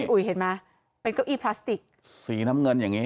อุ๋ยเห็นไหมเป็นเก้าอี้พลาสติกสีน้ำเงินอย่างนี้